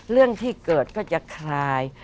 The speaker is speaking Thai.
เรื่องที่เกิดก็จะคลาย